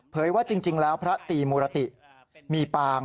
ว่าจริงแล้วพระตีมุรติมีปาง